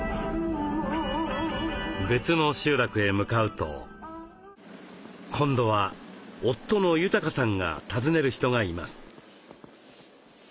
別の集落へ向かうと今度は夫の裕さんが訪ねる人がいます。